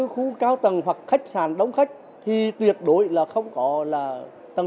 khu cao tầng hoặc khách sạn đông khách thì tuyệt đối là không có là tầng